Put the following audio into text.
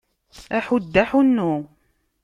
Aḥuddu, aḥunnu!